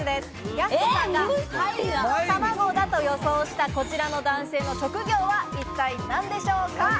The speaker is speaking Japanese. やす子さんが俳優の卵だと予想したこちらの男性の職業は一体何でしょうか？